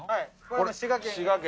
これ滋賀県。